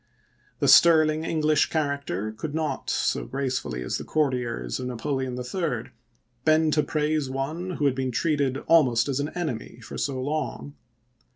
The sterling English character could not, so gracefully as the courtiers of Napoleon III., bend to praise one who had been treated almost as an enemy for so long.